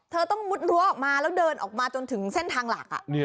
เธอต้องมุดรั้วออกมาแล้วเดินออกมาจนถึงเส้นทางหลัก